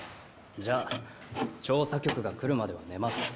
じゃあ調査局が来るまでは寝ます。